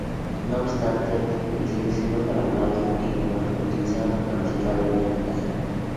No obstante, el seleccionado paraguayo de rugby ha utilizado una camiseta verde, en ocasiones.